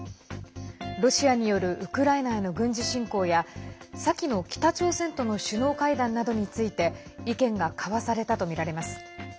ロシアによるウクライナへの軍事侵攻や先の北朝鮮との首脳会談などについて意見が交わされたとみられます。